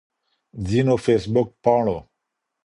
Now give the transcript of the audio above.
ځينو فيسبوک پاڼو